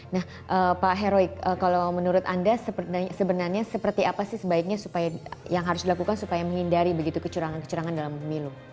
nah pak heroik kalau menurut anda sebenarnya seperti apa sih sebaiknya yang harus dilakukan supaya menghindari begitu kecurangan kecurangan dalam pemilu